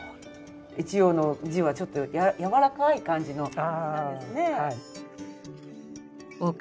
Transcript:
一葉の字はちょっとやわらかい感じの字なんですね。